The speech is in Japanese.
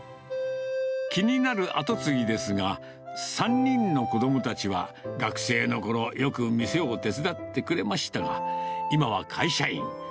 気になる跡継ぎですが、３人の子どもたちは、学生のころ、よく店を手伝ってくれましたが、今は会社員。